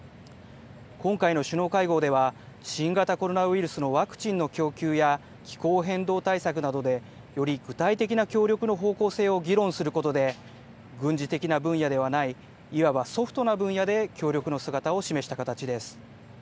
今回の首脳会合では、新型コロナウイルスのワクチンの供給や、気候変動対策などで、より具体的な協力の方向性を議論することで、軍事的な分野ではない、いわばソフトな分野で協力の姿を示した形です。